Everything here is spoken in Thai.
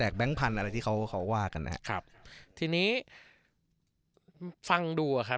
แก๊งพันธุ์อะไรที่เขาเขาว่ากันนะครับทีนี้ฟังดูอ่ะครับ